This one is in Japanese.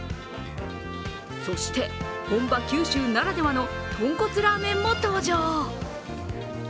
そして、本場・九州ならではの豚骨ラーメンも登場。